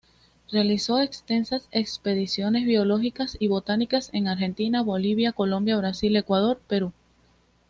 Realizó extensas expediciones biológicas, y botánicas en Argentina, Bolivia, Colombia, Brasil, Ecuador, Perú.